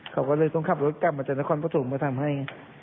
เขาก็เลยต้องขับรถกลับมาจากนครปฐมมาทำให้